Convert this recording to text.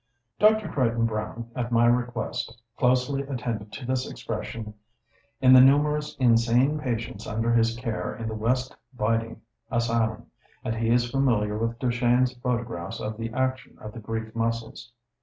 Dr. Crichton Browne, at my request, closely attended to this expression in the numerous insane patients under his care in the West Riding Asylum; and he is familiar with Duchenne's photographs of the action of the grief muscles.